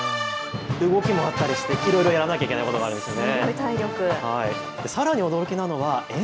動きもあったりしていろいろやらなきゃいけないことがあるんですね。